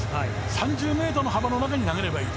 ３０ｍの幅の中に投げればいい。